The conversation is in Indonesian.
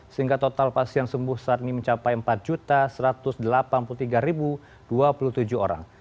sehingga total pasien sembuh saat ini mencapai empat satu ratus delapan puluh tiga dua puluh tujuh orang